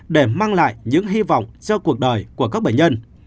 để mang lại những hy vọng cho cuộc đời của các bệnh nhân